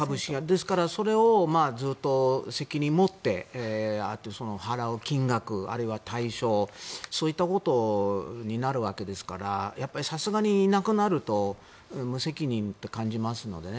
ですからそれを責任を持ってあと払う金額あるいは対象そういったことになるわけですからさすがに、いなくなると無責任と感じますのでね。